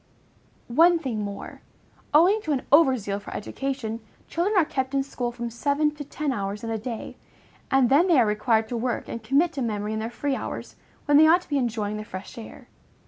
One thing more. Owing to an over zeal for education, children are kept in school from seven to ten hours in a day, and then they are required to work and commit to memory in their free hours, when they ought to be enjoying the fresh air.